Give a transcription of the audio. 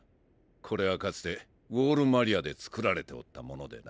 これはかつてウォール・マリアで作られておったものでな。